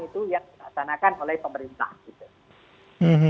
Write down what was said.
itu yang dilaksanakan oleh pemerintah gitu